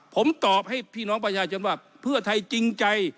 ผมตอบให้พี่น้องประชาชนว่าเพื่อไทยจริงใจ